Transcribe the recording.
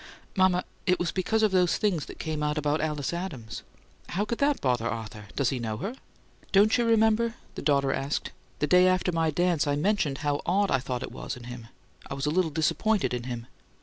"Mama, it was because of those things that came out about Alice Adams." "How could that bother Arthur? Does he know her?" "Don't you remember?" the daughter asked. "The day after my dance I mentioned how odd I thought it was in him I was a little disappointed in him.